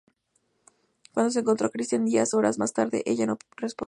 Cuando se encontró a Christian diez horas más tarde, ella "no respondía".